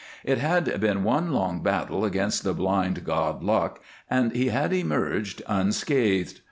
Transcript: It had been one long battle against the blind god luck and he had emerged unscathed.